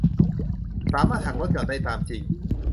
สามารถหักลดหย่อนได้ตามจริง